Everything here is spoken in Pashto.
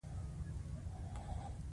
سوله نېکمرغي او جگړه بدمرغي راولي.